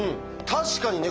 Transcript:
確かにね